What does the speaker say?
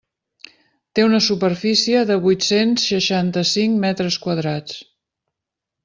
Té una superfície de vuit-cents seixanta-cinc metres quadrats.